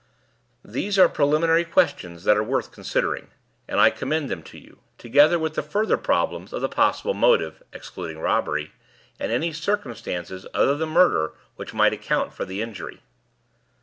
These are preliminary questions that are worth considering, and I commend them to you, together with the further problems of the possible motive excluding robbery and any circumstances other than murder which might account for the injury."